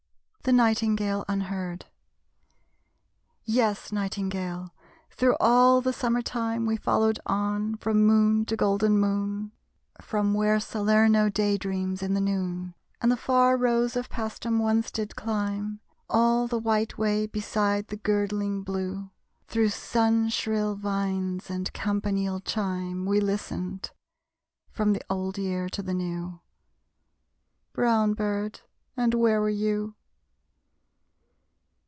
THE NIGHTINGALE UNHEARD Yes, Nightingale, through all the summer time We followed on, from moon to golden moon; From where Salerno day dreams in the noon, And the far rose of Pæstum once did climb. All the white way beside the girdling blue, Through sun shrill vines and campanile chime, We listened; from the old year to the new. Brown bird, and where were you?